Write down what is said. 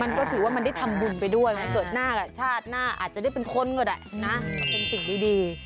มันก็ถือว่ามันได้ทำบุญไปด้วยมันเกิดหน้ากับชาติหน้าอาจจะได้เป็นคนก็ได้นะเป็นสิ่งดี